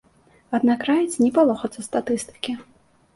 Аднак раіць не палохацца статыстыкі.